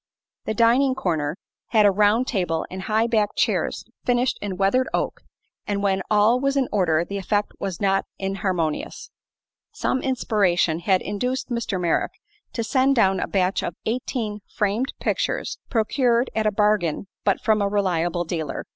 The dining corner had a round table and high backed chairs finished in weathered oak, and when all was in order the effect was not inharmonious. Some inspiration had induced Mr. Merrick to send down a batch of eighteen framed pictures, procured at a bargain but from a reliable dealer.